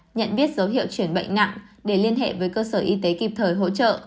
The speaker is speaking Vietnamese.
nhận biết dấu hiệu chuyển bệnh nặng để liên hệ với cơ sở y tế kịp thời hỗ trợ